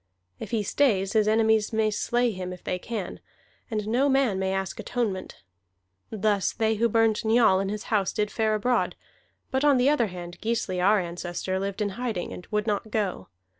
If he stays, his enemies may slay him if they can, and no man may ask atonement. Thus they who burned Njal in his house did fare abroad; but on the other hand Gisli our ancestor lived in hiding, and would not go.